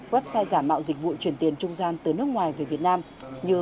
website giả mạo dịch vụ chuyển tiền trung gian từ nước ngoài về việt nam như